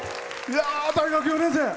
大学４年生。